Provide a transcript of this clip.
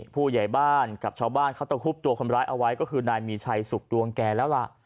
ผู้ใหญ่บ้านกับชาวบ้านเขาตะคุบตัวคนร้ายเอาไว้ก็คือนายมีชัยสุขดวงแก่แล้วล่ะ